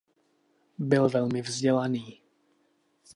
Byl velmi vzdělaný.